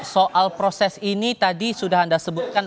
soal proses ini tadi sudah anda sebutkan